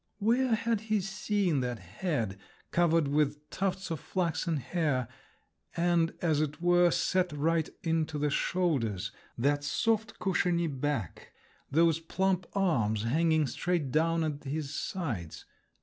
Where had he seen that head, covered with tufts of flaxen hair, and as it were set right into the shoulders, that soft cushiony back, those plump arms hanging straight down at his sides?